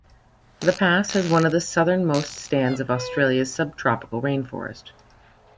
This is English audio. The pass has one of the southernmost stands of Australia's sub tropical rainforest.